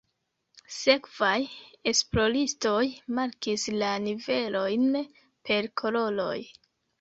Sekvaj esploristoj markis la nivelojn per koloroj.